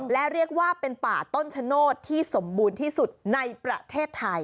และเรียกว่าเป็นป่าต้นชะโนธที่สมบูรณ์ที่สุดในประเทศไทย